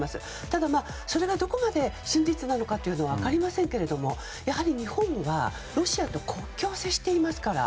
ただ、それがどこまで真実なのかは分かりませんがやはり日本は、ロシアと国境を接していますから。